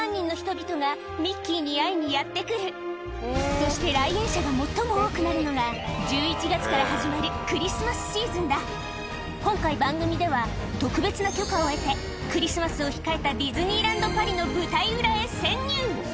そして来園者が最も多くなるのが今回番組では特別な許可を得てクリスマスを控えたディズニーランド・パリの舞台裏へ潜入